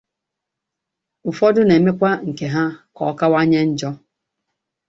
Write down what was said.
ụfọdụ na-emekwa nke ha ka ọ kawanye njọ.